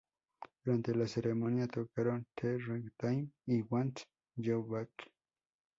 Durante la ceremonia tocaron "The Right time" y "I Want You Back".